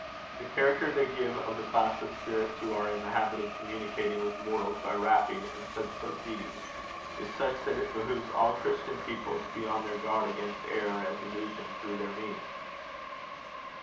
The character they give of the class of spirits who are in the habit of communicating with mortals by rapping and such proceedings, is such that it behoves all Christian people to be on their guard against error and delusion through their means."